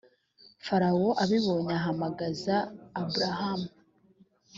farawo abibonye ahamagaza aburamu